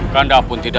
kanda akan mencari kanda